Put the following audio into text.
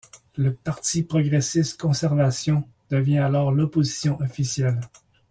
Le Parti progressiste-conservation devient alors l'Opposition officielle.